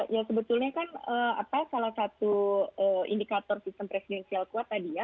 ya sebetulnya kan salah satu indikator sistem presidensial kuat tadi ya